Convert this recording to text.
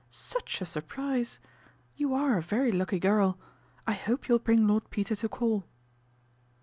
Such a surprise. You're a very lucky girl. I hope you'll bring Lord Peter to call."